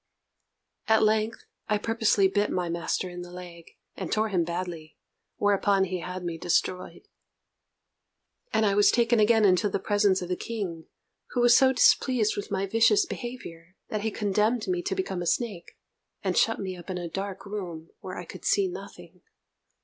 At length, I purposely bit my master in the leg, and tore him badly; whereupon he had me destroyed, and I was taken again into the presence of the King, who was so displeased with my vicious behaviour that he condemned me to become a snake, and shut me up in a dark room, where I could see nothing.